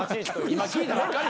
今聞いたばっかりやろ。